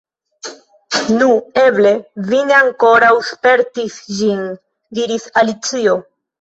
"Nu, eble vi ne ankoraŭ spertis ĝin," diris Alicio.